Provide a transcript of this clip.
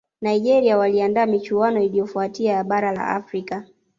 nigeria waliandaa michuano iliyofuatia ya bara la afrika